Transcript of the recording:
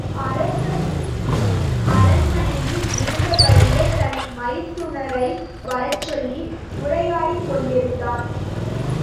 அரசனும், அரண்மனையில் இருந்தபடியே தன் மைத்துனரை வரச்சொல்லி உரையாடிக்கொண்டிருந்தான்.